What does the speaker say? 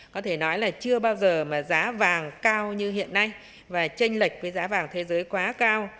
có thể nói là chưa bao giờ mà giá vàng cao như hiện nay và tranh lệch với giá vàng thế giới quá cao